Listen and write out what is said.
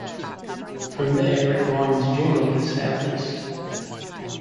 From there it winds generally south-east.